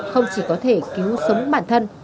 không chỉ có thể cứu sống bản thân